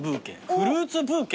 フルーツブーケ？